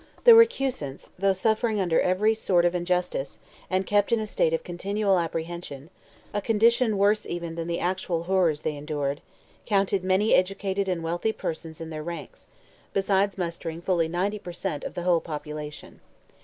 The recusants, though suffering under every sort of injustice, and kept in a state of continual apprehension—a condition worse even than the actual horrors they endured—counted many educated and wealthy persons in their ranks, besides mustering fully ninety per cent, of the whole population.